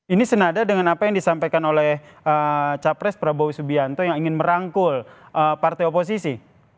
ini senada dengan apa yang disampaikan oleh capres prabowo subianto yang ingin merangkul partai oposisi